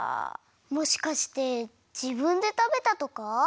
もしかしてじぶんでたべたとか？